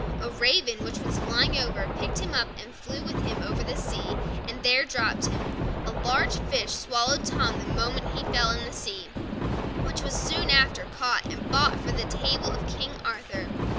A raven, which was flying over, picked him up and flew with him over the sea, and there dropped him. A large fish swallowed Tom the moment he fell into the sea, which was soon after caught and bought for the table of King Arthur.